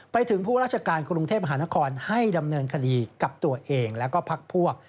ไปถึงผู้ราชการกรุงเทพมหานครให้ดำเนินคดีกับตัวเองแล้วก็พักพวก